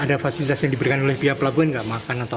ada fasilitas yang diberikan oleh pihak pelabuhan nggak makan atau